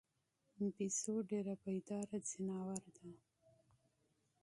بیزو ډېر متحرک حیوان دی.